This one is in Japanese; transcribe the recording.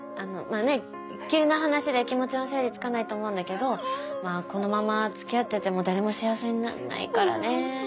急な話で気持ちの整理つかないと思うんだけどまぁこのまま付き合ってても誰も幸せにならないからね。